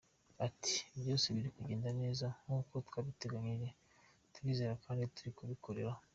Ati "Byose biri kugenda neza nkuko twabiteganyije, turizera kandi turi kubikoraho.